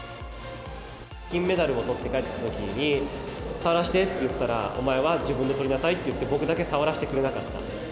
金メダルをとって帰ってきたときに、触らせてって言ったら、お前は自分でとりなさいって言われて、僕だけ触らせてくれなかったですね。